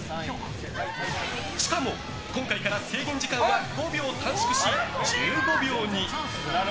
しかも今回から制限時間は５秒短縮し、１５秒に。